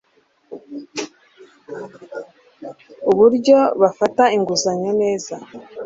uburyo bafata inguzanyo neza